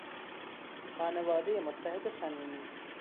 خانوادهی متحد و صمیمی